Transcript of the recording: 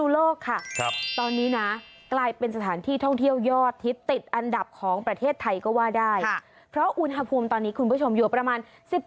พิศนุโลคคะครับตอนนี้นะกลายเป็นสถานที่ท่องเที่ยวยอดที่ติดอันดับของประเทศไทยก็ว่าได้เพราะอุณหภูมิตอนนี้คุณผู้ชมอยู่ประมาณ